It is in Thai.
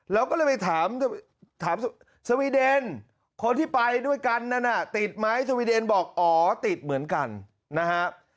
เราก็เลยไปถามสวีเดนคนที่ไปด้วยกันนั้นติดไหมสวีเดนบอกอ๋อติดเหมือนกันนะฮะ